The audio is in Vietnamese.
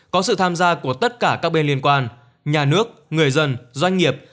có sự tham gia của tất cả các bên liên quan nhà nước người dân doanh nghiệp